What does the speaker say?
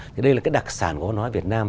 thì đây là cái đặc sản của văn hóa việt nam